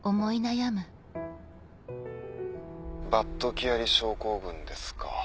バッド・キアリ症候群ですか。